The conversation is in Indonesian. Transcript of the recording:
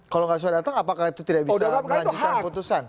kalau nggak sudah datang apakah itu tidak bisa melanjutkan putusan